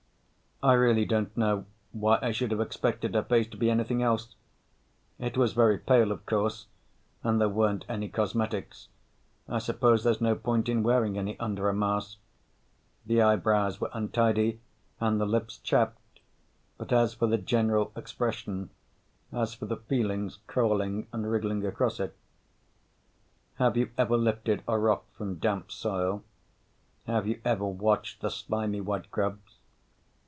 I really don't know why I should have expected her face to be anything else. It was very pale, of course, and there weren't any cosmetics. I suppose there's no point in wearing any under a mask. The eye brows were untidy and the lips chapped. But as for the general expression, as for the feelings crawling and wriggling across it Have you ever lifted a rock from damp soil? Have you ever watched the slimy white grubs?